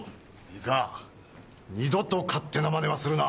いいか二度と勝手なマネはするな。